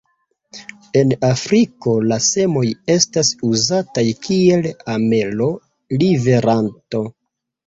En Afriko la semoj estas uzataj kiel amelo-liveranto.